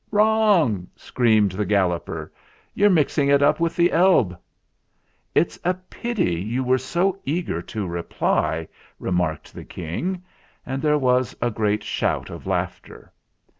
"Wrong!" screamed the Galloper. "You're mixing it up with the Elbe." "It's a pity you were so eager to reply," re THE JACKY TOAD FAILS 249 marked the King; and there was a great shout of laughter.